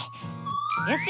よし！